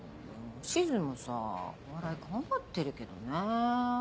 おしずもさぁお笑い頑張ってるけどね。